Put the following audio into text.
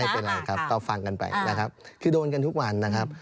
ไม่เป็นไรครับก็ฟังกันไปนะครับคือโดนกันทุกวันนะครับ